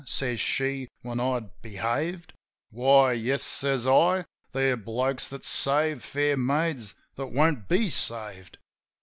says she, when I'd "behaved." "Why, yes," says I. "They're blokes that save fair maids that won't be saved."